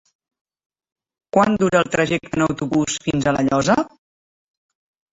Quant dura el trajecte en autobús fins a La Llosa?